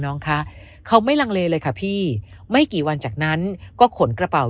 น้องคะเขาไม่ลังเลเลยค่ะพี่ไม่กี่วันจากนั้นก็ขนกระเป๋า